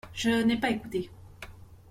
Je n’ai pas écouté.